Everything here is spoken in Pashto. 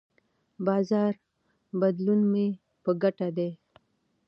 د بازار بدلون مې په ګټه دی.